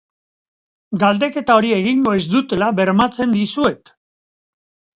Galdeketa hori egingo ez dutela bermatzen dizuet.